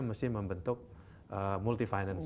mesti membentuk multi finance